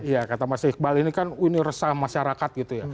ya kata mas iqbal ini kan ini resah masyarakat gitu ya